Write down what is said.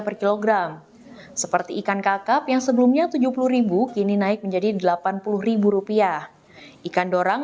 per kilogram seperti ikan kakap yang sebelumnya tujuh puluh kini naik menjadi delapan puluh rupiah ikan dorang